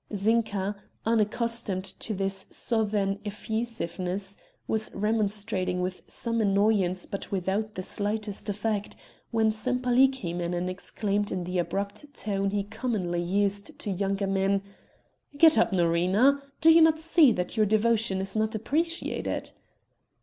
Zinka, unaccustomed to this Southern effusiveness, was remonstrating with some annoyance but without the slightest effect, when Sempaly came in and exclaimed in the abrupt tone he commonly used to younger men: "Get up, Norina, do you not see that your devotion is not appreciated."